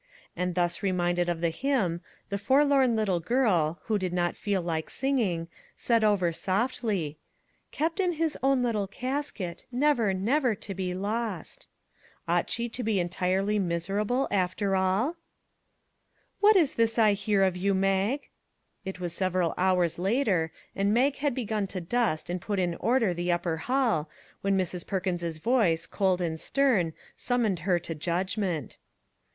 And thus reminded of the hymn, the forlorn little girl, who did not feel like singing, said over softly :" Kept in his own royal casket, Never, never to be lost !" Ought she to be entirely miserable, after all ?" What is all this I hear of you, Mag !" It was several hours later, and Mag had be gun to dust and put in order the upper hall, " RAISINS " when Mrs. Perkins's voice cold and stern, sum moned her to judgment.